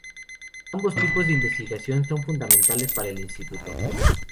Ambos tipos de investigación son fundamentales para el Instituto.